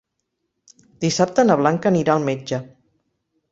Dissabte na Blanca anirà al metge.